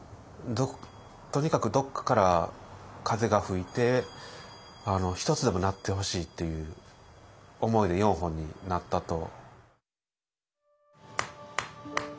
とにかくどっかから風が吹いて１つでも鳴ってほしいっていう思いで４本になったと。